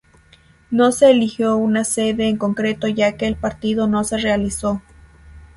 No se eligio una sede en concreto ya que el partido no se realizó.